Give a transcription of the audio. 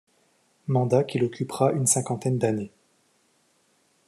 Mandat qu'il occupera une cinquantaine d'années.